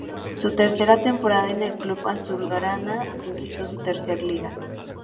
Su tercera temporada en el club azulgrana conquistó su tercera Liga.